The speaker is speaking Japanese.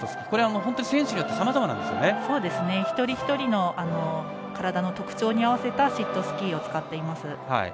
これは本当に選手によって一人一人の体の特徴に合わせたシットスキーを使っています。